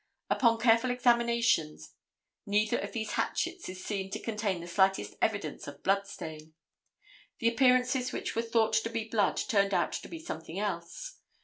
Upon careful examination neither of these hatchets is seen to contain the slightest evidence of blood stain. The appearances which were thought to be blood turned out to be something else.